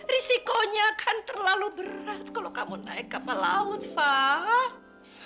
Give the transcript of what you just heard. risikonya kan terlalu berat kalau kamu naik kapal laut pak